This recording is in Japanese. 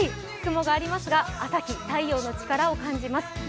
雲がありますが朝日、太陽の力を感じます。